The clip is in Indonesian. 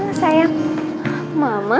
lomba yang dikirim lomba